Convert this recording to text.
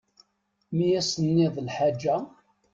Mi as-tenniḍ lḥaǧa.